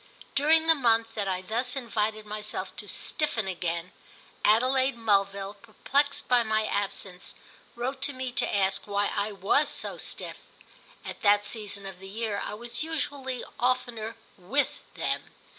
During the month that I thus invited myself to stiffen again, Adelaide Mulville, perplexed by my absence, wrote to me to ask why I was so stiff. At that season of the year I was usually oftener "with" them.